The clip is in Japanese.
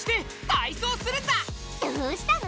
どうしたの？